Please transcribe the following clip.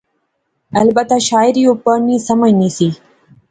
البتہ شاعری او پڑھنی، سمجھنی سی